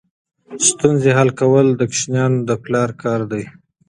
ستونزې حل کول د ماشومانو د پلار کار دی.